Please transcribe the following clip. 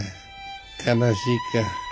悲しいか。